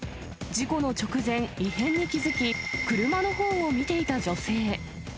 事故の直前、異変に気付き、車のほうを見ていた女性。